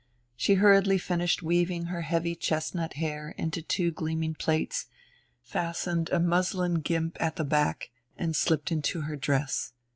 She hurriedly finished weaving her heavy chestnut hair into two gleaming plaits, fastened a muslin guimpe at the back, and slipped into her dress.